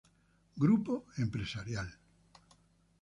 Grupo Empresarial.